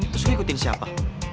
terus gue ikutin siapa